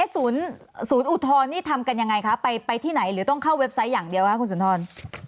ศูนย์อุทธรณ์นี่ทำกันยังไงคะไปที่ไหนหรือต้องเข้าเว็บไซต์อย่างเดียวคะคุณสุนทร